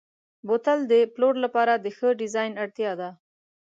بوتل د پلور لپاره د ښه ډیزاین اړتیا لري.